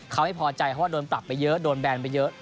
เขาไม่พอใจเพราะว่าโดนปรับไปเยอะโดนแบนไปเยอะ